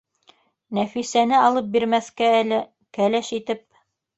Нәфисәне алып бирмәҫкә әле? Кәләш итеп